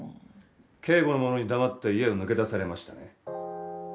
警護の者に黙って家を抜け出されましたね？